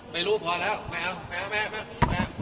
ไม่รู้พอแล้วไม่เอาไม่เอาไม่เอา